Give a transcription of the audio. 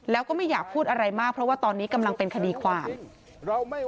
แล้วก็ไม่อยากพูดอะไรมากเพราะว่าตอนนี้กำลังเป็นคดีความ